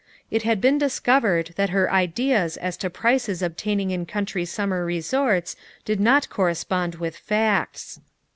It bad been discovered that her ideas as to prices obtaining in country summer re sorts did not correspond with facts.